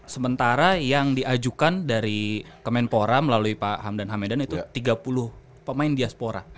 sementara yang diajukan dari kemenpora melalui pak hamdan hamedan itu tiga puluh pemain diaspora